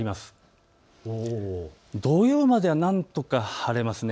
土曜日までは、なんとか晴れます。